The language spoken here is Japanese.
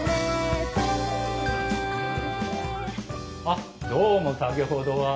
あっどうも先ほどは。